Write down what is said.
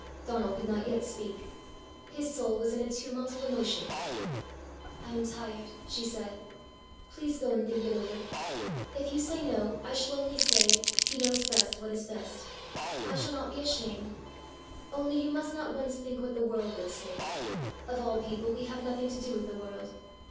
Donal could not yet speak. His soul was in a tumult of emotion. "I am tired," she said. "Please go and think it over. If you say no, I shall only say, 'He knows best what is best!' I shall not be ashamed. Only you must not once think what the world would say: of all people we have nothing to do with the world!